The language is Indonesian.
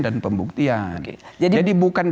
dan pembuktian jadi bukan